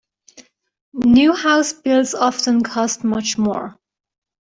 New house builds often cost much more.